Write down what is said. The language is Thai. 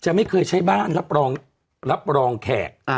ไม่เคยใช้บ้านรับรองแขก